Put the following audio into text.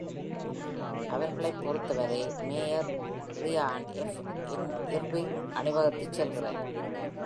அவர்களைப் பொறுத்தவரை, mayor Ryan F. Irving அணிவகுத்துச் செல்கிறார்.